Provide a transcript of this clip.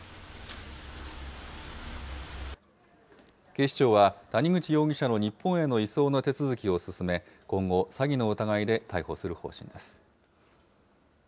警視庁は、谷口容疑者の日本への移送の手続きを進め、今後、詐欺の疑いで逮捕する方針です。